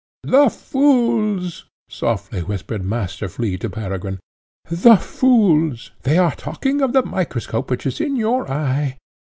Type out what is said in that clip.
"The fools!" softly whispered Master Flea to Peregrine "the fools! they are talking of the microscope which is in your eye.